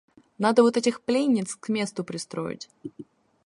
Надо вот этих пленниц к месту пристроить.